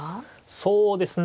そうですね。